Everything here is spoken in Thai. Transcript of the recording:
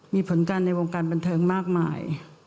มีผลการในวงการบันเทิงมากมาย